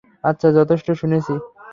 আচ্ছা, যথেষ্ট শুনেছি!